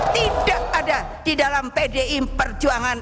tidak ada di dalam pdi perjuangan